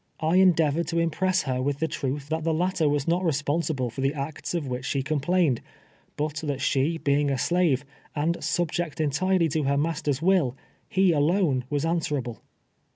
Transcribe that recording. I endeavored to im press her Avith the truth that the latter was not re sponsible for the acts of which she complained, but that she being a slave, and subject entirely to her master's will, he alone was answerable.